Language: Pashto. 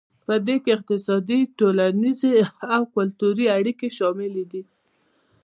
پدې کې اقتصادي ټولنیز او کلتوري اړیکې شاملې دي